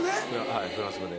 はいフランス語で。